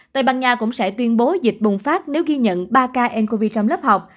tây ban nha cũng sẽ tuyên bố dịch bùng phát nếu ghi nhận ba ca ncov trong lớp học